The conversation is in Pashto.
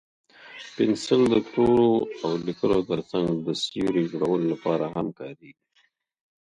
پنسل د تورو او لیکلو تر څنګ د سیوري جوړولو لپاره هم کارېږي.